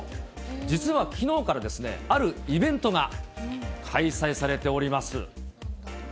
実はきのうからですね、あるイベントが開催されております。